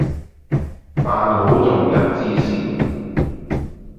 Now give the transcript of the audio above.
辦好眾人之事